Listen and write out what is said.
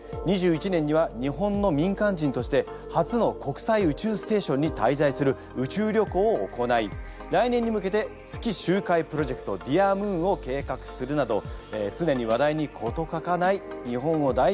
２１年には日本の民間人として初の国際宇宙ステーションに滞在する宇宙旅行を行い来年に向けて月周回プロジェクト「ｄｅａｒＭｏｏｎ」を計画するなどつねに話題に事欠かない日本を代表する実業家であります。